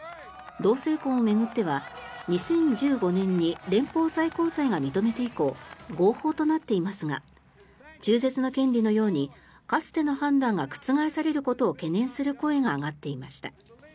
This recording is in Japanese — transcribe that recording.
同性婚を巡っては２０１５年に連邦最高裁が認めて以降合法となっていますが中絶の権利のようにかつての判断が覆されることを懸念する声が上がっていました。